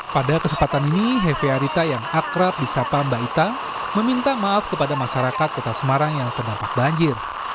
pada kesempatan ini hefe arita yang akrab di sapa mbak ita meminta maaf kepada masyarakat kota semarang yang terdampak banjir